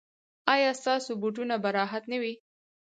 ایا ستاسو بوټونه به راحت نه وي؟